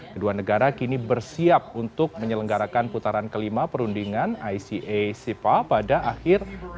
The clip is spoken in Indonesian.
kedua negara kini bersiap untuk menyelenggarakan putaran kelima perundingan ica sipa pada akhir mei dua ribu dua puluh tiga di ottawa kanada